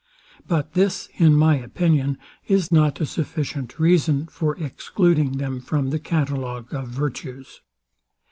But this, in my opinion, is not a sufficient reason for excluding them from the catalogue of virtues.